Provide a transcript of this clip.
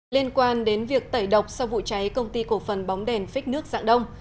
liên quan đến việc tẩy độc sau vụ cháy công ty cổ phần bóng đèn phích nước dạng đông